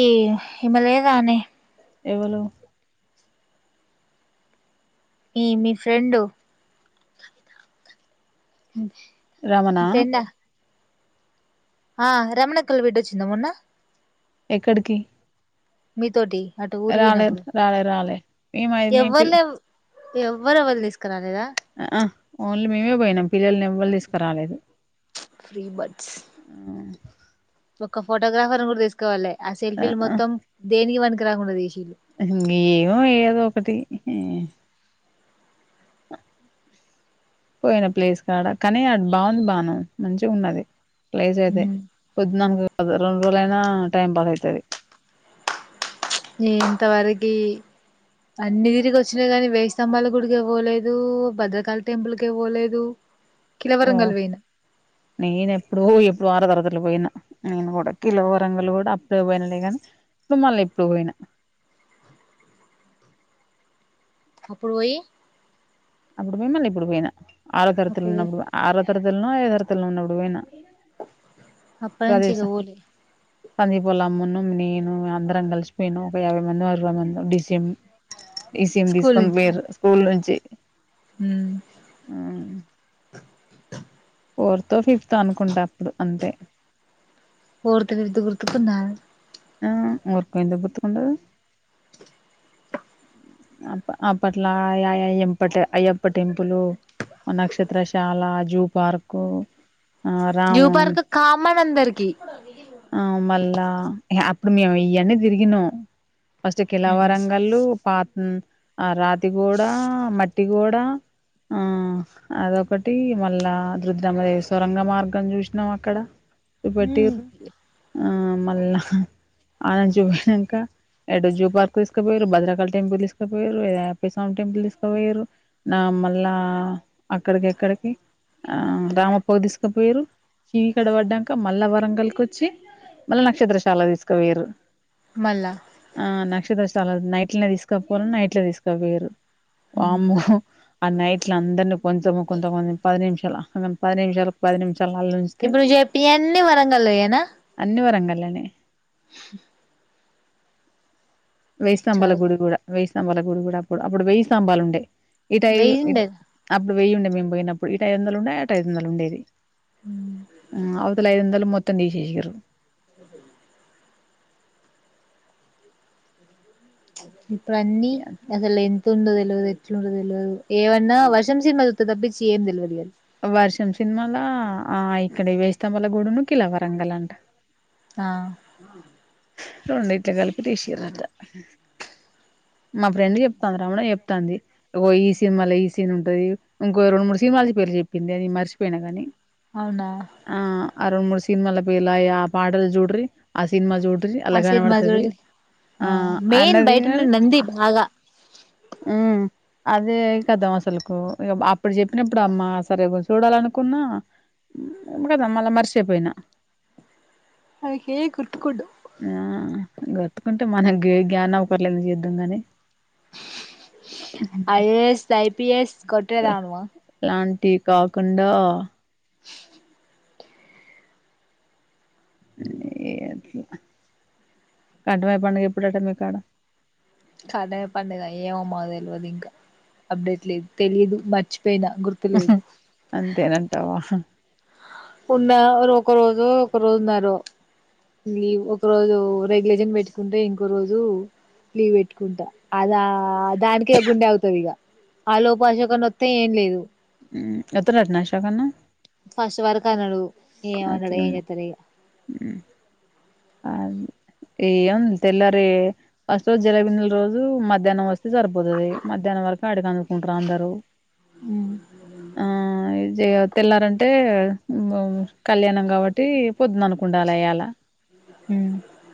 ఈ ఇమె లేదానే ఎవలు ఈ మీ ఫ్రెండు రమణా ఆ రమనంకుల్ బిడ్డ అచ్చింద మొన్న? ఎక్కడికి మీతోటి అటు ఊరికి రాలే పోయినప్పుడు రాలే రాలే, ఏమై మేపిల్ ఎవ్వలే ఎవ్వరు ఎవరు తీసుకురాలేదా ఆ ఓన్లీ మేమే పోయినాం. పిల్లల్ని నెవ్వల్నీ తీస్కరాలేదు. ఫ్రీబడ్స్ ఒక ఫోటోగ్రాఫర్ని కూడా తీసుపోలే. ఆ సెల్ఫీలు మొత్తం దేనికి పనికి పనికిరాకుండా తీసిం మీ ఏమో ఏదో ఒకటి పోయిన ప్లేస్ కాడ కానీ అది బాగుంది బాను. మంచిగ ఉన్నది. ప్లైసయితే, పొద్దున ఉన్ రెండు రోజు ఎట్లయినా టైం పాస్ ఐతది. నే ఇంతవరకి అన్ని తిరిగి వచ్చినా గని వేయి స్తంభాల గుడికే పోలేదు, భద్రకాలి టెంపుల్కే పోలేదు. ఓ కిలవరంగల్ పోయినా నేను ఎప్పుడో ఇప్ వారం తర్వాత్ లు పోయిన నేను కూడా కిలో వరంగులు కూడా అప్ ఇప్పుడో పోయినలేగానీ, ఇప్పుడు మళ్ళీ ఎప్పుడు పోయినా. అప్పుడు పోయి అప్పుడు పోయి మళ్ళీ ఇప్పుడు పోయిన. ఆరో అప్పుడు తరతలున్నప్పుడు ఆరో తరగతులనో ఐదో తరగతులనో ఉన్నప్పుడు పోయిన. అప్పట్నుంచి ఇగ వోలే సందీపోల్లమ్మును నేను అందరం కలిసి పోయినం, ఒక యాభై మంది అరవై మందో డిసెం ఈ సి ఎం తీసుకొని పోయిర్రూ, స్కూల్ నుంచి జ ఉమ్ ఆ ఫోర్తో ఫిఫ్తో అనుకుంటా అప్పుడు అంతే. ఫోర్త్ ఫిఫ్త్ గుర్తుకుందానె ఆ ఊర్కు ఎందుకు గుర్తుకుండదు. అ అపట్ల అయ్యప్ప అయ్యప్ప టెంపులు నక్షత్రశాల జూ పార్కు ఆ న్యూ రామ పార్క్ కామానందరికి ఆ మళ్ళా అప్పుడు మేము ఇయ్యన్నీ తిరిగినం ఫస్ట్ కిలా వరంగల్లు పా ఆ రాజ కూడా మట్ ఇటి కూడా ఆ అదొకటి మళ్ళా రుద్రమదేవీ సొరంగ మార్గం చూసినాం అక్కడ చూపెట్టిర్రు ఆ మళ్ళ ఆనంద చూపయాక ఎటో జూ పార్క్ తీసుకపోయారు భద్రకాళి టెంపుల్ తీసు తీసుకపోర్రు అయ్యప్ప స్వామి టెంపుల్ తీసుకుపోయారు నా మళ్ళా అక్కడికి ఎక్కడికి ఆ రామప్పకు తీసుకపోయారు చీకటి పడ్డాక మళ్ళా వరంగల్కి వచ్చి మళ్ళా నక్షత్రశాల తీసుకుపోయారు మళ్ళ చాల నైట్ల తీసుక నైట్ లో తీసుకపోయ్రు వామ్మో ఆ నైట్ల అందరినీ కొంచెం కొంత కొ పది నిమిషాలు పది నిమిషాల పది నిమిషాలు అల్ల ఉంచితే ఇప్పుడు ను చెప్పి అన్ని వరంగల్లోయనా అాలనే ఆ వేయిస్తంబల చదువు గుడి కూడా వేయిస్తంబల గుడి కూడి కూడా అప్పుడు అప్పుడు వెయ్యి స్తంభాలు ఉండే ఇటు ఐ వెయ్యిండే ఇప్పు వెయ్యుండే మేము పోయినప్పుడు ఇటు ఐదువందలుండే అటు ఐదు వందలుండేది అవతల ఐదు వందలు మో త్త ని తీసేసింద్రు అ ఇప్పుడన్నీ అసలు ఎ వతుండో తెలియదు ఎట్లు ఉండో తెలియదు ఏమన్నా వర్షం సీనిమా సుత్తే తప్పించి ఏం తెలియదులి వర్షం సినిమాాల ఆ ఇక్కడ వేయిస్తంబల గూడి ను కిల వరంగల్ అంట ఆ రొండిట్లు కల్పి తీసిర్ ఆట మా ఫ్రెండ్ చెప్తాంది రామణ చెప్తాంది ఓ ఈ సినిమాలో ఈ సిన్ ఉంటది ఇంకో రెండు మూడు సినిమాల పేర్లు చెప్పింది అది మర్చిపోయినా కాని అవునా ఆ అరుణ ముూడిసి సినిమల పేర్లు ఆ పాటలు చూడ ఆ సినిమా చూడ ఆ సినిమా సుడుల్లి మెయిన్ అన్నది బయట ఉన్న కానీ నందిీ బాగా ఉమ్ అదే కదాం అసలుకు ఇప్పుడు చెప్పినప్పుడు అమ్మా సరే కొంచెం చూడాలనుకున్నా కదా మళ్ళా మర్చేపోయినా నాకేం గుర్తుకుండవ్ ఆ గతుకుంటే మనకు గ గ్ఞనావ కలి లేదడి అంగనే ఆఐఏఎస్ ఆఐపిఎస్ కొట్ ఏదానువ టీ కాకుండా ఏ అట్లా కంటమై పండుగ ఎప్పుడట్ట మీ కా ఆడ కాదే పండగ ఏమమ్మ తెలియదు ఇంకా అప్డేట్ లేదు తెలిదు మర్చిపో అంతేనంటావా ఉన్న ఒక రోజు ఒక రోజు ఉన్నారుార లీవ్ ఒక రోజు రెగ్యులేషన్ పెట్టుకుంటే ఇంకో రోజు లీవ్ పెట్టుకుంటా అద ఆ దానికి గుండె అవుతుంది ఇక ఆ లోపాషక నొత్తం ఏం లేదు ఎత్ర అట్నాశాకన్న ఫస్ట్ వరకు అన్నాడు అట్కనా ఆ ఏ ఏం తెల్లర వస్తు రోజు జలబి నల రోజు మధ్యాహ్నం వస్తస్తు జరుబపోతు అ మధహ్న వరకు కాడికి అందుకుంటారు అందరూ ఆ ఇ తెల్లారంటే కళ్యాణం కాబట్టి పొద్దుంద అనుకుండాల్యలా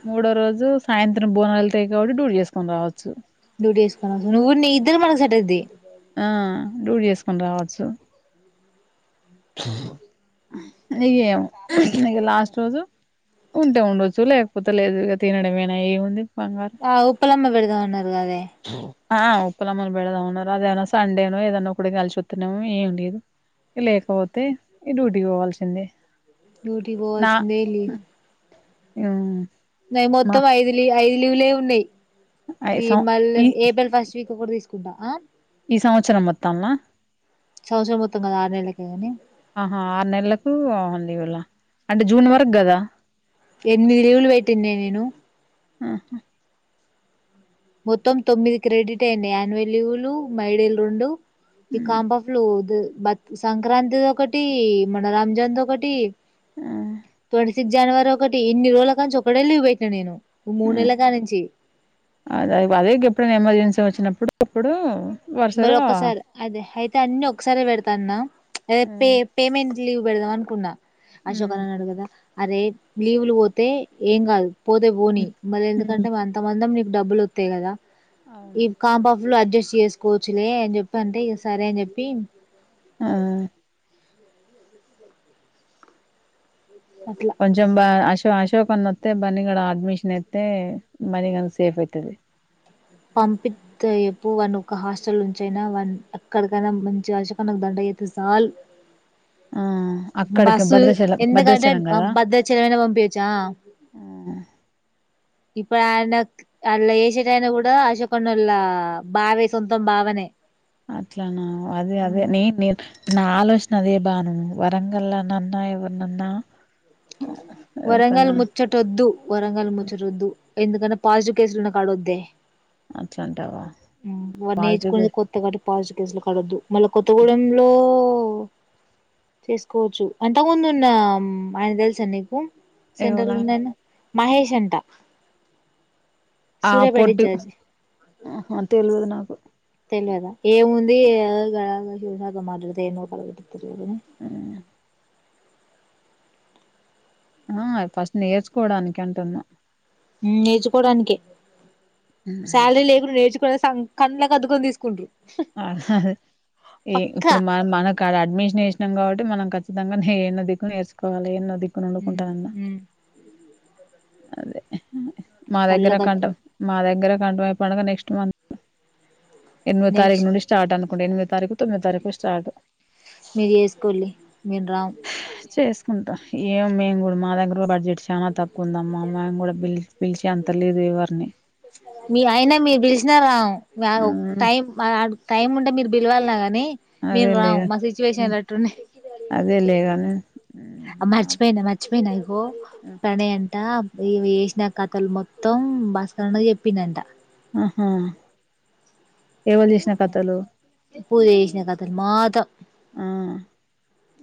మూడు రోజు సాయంత్రం బోనాాలాయి కాబట్టి డూర్ చేసుకొని రావచ్చు డ్యూటీ వసుకోనీ నువ్వు నీ ఇద్దరు మనకు సటద్ది ఆ డూడ్ చేసుకొని రావచ్చు నకేమ న లాస్ట్ రోజు ఉంటే ఉండొచ్చు లేకపోతే లేదు ఇక తినడంనా ఏముంది బంగారం ఆ ఉప్పులేమ్మ పెడుదన్నరుగాదే ఆ ఉప్పలమ్మల్ బెద్వున అదేనా సండేనో ఏదన్న ఒకడ కలిసి వస్తున్నామో ఏం లేదు లేకపోతే ఈ డ్యూటీకి పోవాల్సిందే వల్స్ నలీ ఆ న మొత్తం ఐదులీ ఐదు తెలులే ఉన్నాయి ఈ ఫ సం మళ్ళ ఈ ఏపల్ ఫస్ట్ వీక్ కూడా తీసు కుడఆ ఈ సంవత్సరం మొత్తంలా సంవత్సరం మొత్తం కదా ఆరు నెలలకే కాని ఆహా ఆరు నెలలకు ళ అంటే జూన్ వరకు కదా ఎనిమిది లీవులు పెటినే నేను ఉహం మొత్తం తొమ్మిది క్రెడిట్ అయినాయ్ యాన్వల్యూలు మైడేలు రెండు ఇ కాంబా ఫ్లో పోదు [inaudible] బత్ సంక్రాంతిది ఒకటి మనరంజాన్ది ఒకటి తడి జనవరి ఒకటి ఇన్ని రోజుల కంచి ఒకటె లీవ్ పెటిన నేను మూడునెల కానించి అదేకి ఎప్పుడైనా ఎమర్జెన్సీ వచ్చినప్పుడు అప్పుడు మరి వరుసగా ఒక్కసారి అదే అయితే అన్ని ఒకసారి పెడతా అన్న అద పే హ్మ్. పేమెంట్ లీవ్ పెడదామనుకున్నా అశోక్ హ్మ్. అన్నానడుగు కదా అరే లీవులు వోతే ఏం కాదు పోతే పోని హ్మ్. మళ్ళీ ఎందుకంటే హ్మ్. అంత మందం డబ్బులొత్తయి కదా ఈ అవును కాంబ అడ్జస్ట్ చేస్ కోచ్లే ఏం చెప్పంటే ఇగ సరే అని చెప్పి ఆ అట్లా కొంచెం బ అశో అశోక్ అన్నిఒత్తె బన్నీగాడ్ అడ్మిషన్ అయితే బన్నీగన్ సేఫ్ అయితది పంపిత్ ఎప్పువను ఒక హాస్టల్ ఉంచయినా వన్ ఎక్కడికైనా మంచి అశోక్ అన్నకు దంటా చెత్తే సాల్ ఆ అక్కడికి బస్సు భద్రాచలం ఎంతకంటే భద్రాచలం కదా భద్రచలమైనా పంపియోచ్చు ఆ ఇప్పుడు ఆయన ఆళ్ల చేశేటయినా కూడా అశోక్ అన్నోళ్ల బావే సొంతం బావనే అట్లానా అదే అదే నీ నేను నా ఆలోచన అదే బాను వరంగల్లానన్నా ఎవర్నన్న వరంగల్ ముచ్చటొద్దు వరంగల్ ముచ్చటొద్దు ఎందుకన్నా పాజిటివ్ కేసులున్న కాడొద్దే అట్లా అంటావా వాళ్ళు వాడ్నేచుకునే చూపిస్తు కొత్తగావటి పాస్ కేసులుకాడొద్దు మళ్ళ కొత్తగూడెంలో చేసుకోవచ్చు అంత ముందు ఉన్న అయిన తెలుసా నీకు సెంట్రల్ ఎవలైనా ఉన్నన్ని మహేష్ అంటా ఆ పోటీ ఆహా తెలిదు నాకు తెల్వదా ఏముంది ఆ ఆహ ఊహగా మాట్లాడదు ఏమో పగల కోటు పొదుపోదు ఆ ఫస్ట్ నేర్చుకోడానికి అంటున్నా నేర్చుకోడానికే సాలరీ లేకుండా నేర్చు కోసం కన్లకదుకోని తీసుకున్రు అహా హా అ ఇప్పుడు మన మన కాడ అడ్మిషన్ ఏష్ న్నంగ్ కాబట్ మనం ఖచ్చితంగా ఏన్నో దికు నేర్చుకోవాలి ఎన్నో దిక ఉమ్ ఉమ్ అదే ఆహు ఆ మా దగ్గర కళ్ళకద్దు కంటం మా దగ్గర గండ్వే పండగా నెక్స్ట్ మంత్ నెక్స్ట్ తరక్నుండి స్టార్ట్ ఆ డు ఎనిమిది తారీఖ తొమ్మిది తారీఖు స్టార్ట్ మీర్‌ చేసకొలి మేం రాం చేసుకుంటా ఏం మేము కూడా మా దగ్గర బడ్జెట్ చానా తక్కు ఉందమ్మా మము కూడా పిలిచ పిలిచెంత లేదు ఎవరిని మీ ఆయన మీర్‌ పిల్శినా రాం వ్యవ్ మ్మ్ టైం ఆడ టైం ఉంటే మీరు బిల్వలానే అదే లే ఉ అదే లేదని అ మర్చిపోయిన మార్చిపోయిన ఇగో పనేన్ టా ఇవి చేసిన కథలు మొత్తం భాస్కరన్నకి చెప్పిందంటా ఆహా ఎవలు చేసిన కథలు ఇపుడుచేసిన కథలు మాతో ఆ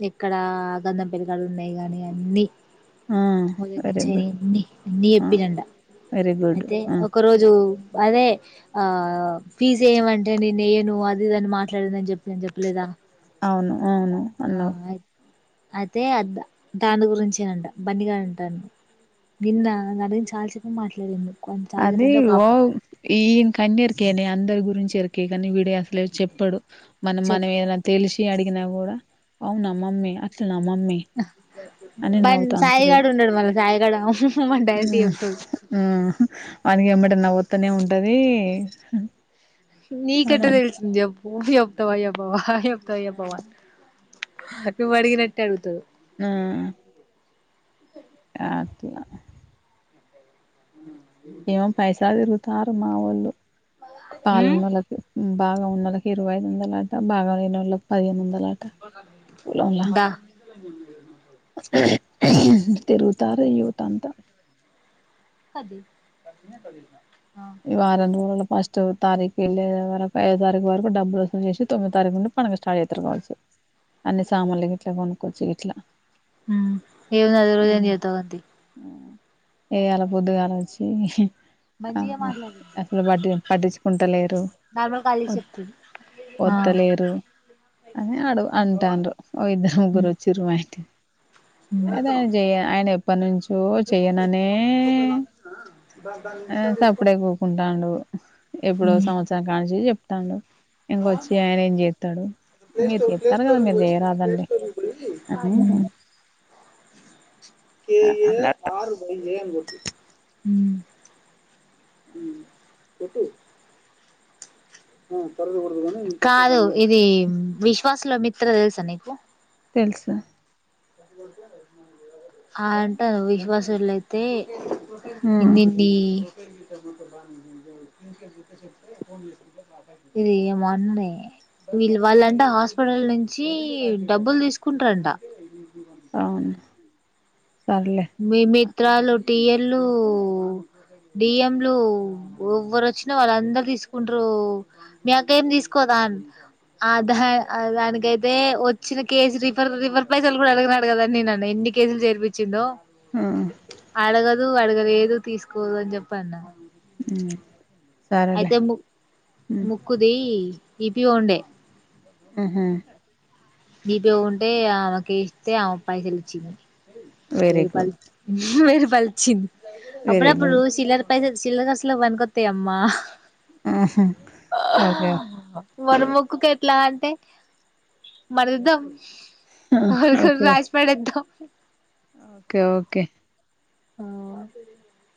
ఇక్కడ గంధం పెంకల్ ఉన్నాయి గాని అన్ని ఆ వెరీ మొదట్నుచినే గుడ్ అని అని ఆ చెప్పిందంటా వెరీ గుడ్ అయితే ఆ ఒక రోజు అదే ఆ ఫీజ్ ఏమంటే నేను వేయను అది ఇదిఅని మాట్లాడింది ఆన్ జెప్పి జెప్పలేదా అవును అవును అన్నవ్ అయితే అద్ద దాని గురించినంట బన్నీగా అంటా నిన్న నాగురించి చాల్‌ సేపు మాట్లాడింది అది ఓ ఇన్ కన్నర్కేనే అందరు గురించి ఏరికే గనీ వీడే అసలే చెప్పాడు మనం చెప్ మన ఏదనతెలిసి అడిగినా కూడా అవునా మమ్మీ అట్లానా మమ్మీ అని బన్ నవుతా అంటాడు వీడు సాయిగాడు ఉన్నాడు మళ్ళ సాయిగాడు మని డైరెక్ట్ చెప్తాడు ఊ అని ఎమ్మటె నవ్ తనే ఉంటది నీ కేట్ట వాడంట తెళ్సింది చెప్పు చెప్తావా చెప్పవా హయ్ చెప్తావా చెప్పవా హక్కు అడిగినట్టే అడుగుతది హ్మ్ యక్ య [inaudible] రారు మావోలు పాలఉన్నోలుకు బాగా ఉన్నోళ్ళకి ఇరవై ఐదు వందలు అట బాగా లేనోళ్ళకి పదిహేను వంద బా తిరుగుతార్‌ యూత్ అంత అది ఈ వార నేమో లే ఫస్ట్ [inaudible] తో తారీఖు వెళ్ళే వరకు ఐదో తారీఖు వరకు డబ్బులు వసూలు చేసి తొమ్మిది తారీఖు నుండి పండుగ స్టార్ట్ అవుతారు కావచ్చు అన్ని సామాన్లు ఇట్లా కొనుకొచ్చి ఇట్లా హ్మ్ ఏముంది అద రోజ ఏ చేతా ఉంది ఏ అలా పొద్దుగాల వచ్చి ఆ మంచిగా మాట్లాడింది అసలు పటి పట్టించుకుంటలేరు నార్మల్ కాల్ చేసి వత్ చెప్తుంది ఆ వత్తలేరు అది అడుగు అంటాండ్రు ఓ ఇద్దరు ముగ్గురు వచ్చిరు మా ఇంటికి అదే చేయ ఆయన ప్పనుంచి ఓ చెయననే ఆ సప్పుడేకుంటుండు ఎప్పుడో సంవత్సరం కాంచి తాండు ఇంకొచ్చి ఆయన ఏం చేత్తడు మీరు చెత్తరు కదా మీరు చేయరాదండి అని అన్నట్టు ఉ [unintelligible] కాదు ఇది విష్ క్లాస్ లో మిత్ర తెలుసా నీకు తెలుసులె ఆ అంటరు విశ్వాసోళ్ళైతే ఉమ్ ఇన్నింటినీ ఇదీ మొన్నే వీళ్ళు వాళ్ళంట హాస్పిటల్ నుంచి డబ్బులు తీసుకుంటారంట అవును సర్లే మే మీ ఉత్తరాలు టీఎల్లు డిఎంలు ఎవ్వరు వచ్చినా వాళ్ళందరు తీసుకుంటారు మీ అక్క ఏం తీసుకోదా ఆ దా దానికైతే వచ్చిన కేసు రిఫర్ రిఫర్ పైసలు కూడా ఎవరిని అడిగదు అని నేన్న ఎన్ని కేసులు చేర్పించిందో మ్ దు అడగలేదు తీసుకోదు అని చెప్పిఅన్నాను ఉ అయితే ము ముక్కుదీ ఈప్పీ వండే ఉహుమ్ నీ పే ఉంటే ఆమెకి ఇస్తే ఆమె పైసలు ఇచ్చింది వెరీ వెయ్యి గుడ్ పంచ్చింది వెయ్యి పలిచింది వెరీ అప్పుడప్పుడు గుడ్ చిల్లరు పైసల్ చిల్లర అసల పనుకొత్తాయ అమ్మా ఉహు ఓకే మనముకుక్కు ఎట్లా అంటే మరిద్దాం అవి కూడా ఓకే రాసి పడేద్దాం ఓ ఓకే ఓకే ఆ